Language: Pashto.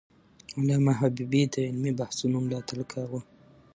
علامه حبيبي د علمي بحثونو ملاتړ کاوه.